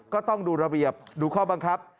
ต้องดูระเบียบดูข้อบังคับ